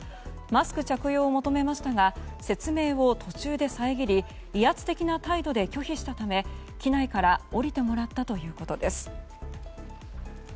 マスク着用を求めましたが説明を途中で遮り威圧的な態度で拒否したため機内から降りてもらったということです。